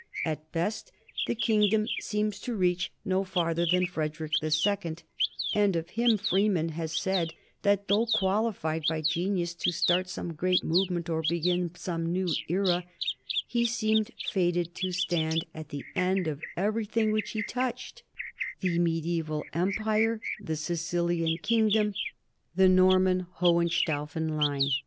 At best the kingdom seems to reach no farther THE NORMAN KINGDOM OF SICILY 245 than Frederick II, and of him Freeman has said that, though qualified by genius to start some great move ment or begin some new era, he seemed fated to stand at the end of everything which he touched the medi* aeval empire, the Sicilian kingdom, the Norman Ho henstaufen line.